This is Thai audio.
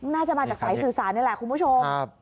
น่าจะมาจากสายสื่อสารนี่แหละคุณผู้ชม